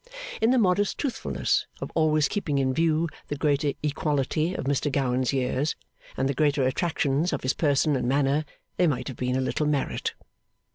In the modest truthfulness of always keeping in view the greater equality of Mr Gowan's years and the greater attractions of his person and manner, there might have been a little merit.